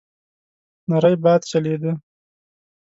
نری باد چلېده.